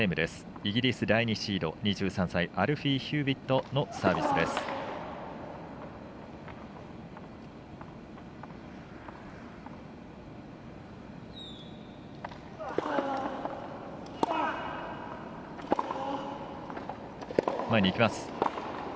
イギリス第２シード、２３歳アルフィー・ヒューウェットのサービスです。